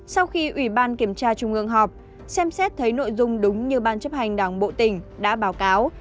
sau khi ủy ban kiểm tra trung ương họp xem xét thấy nội dung đúng như ban chấp hành đảng bộ tỉnh đã báo cáo